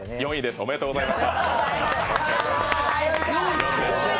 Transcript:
おめでとうございます。